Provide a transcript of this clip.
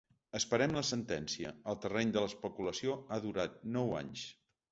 Esperem la sentència, el terreny de l’especulació ha durat nou anys.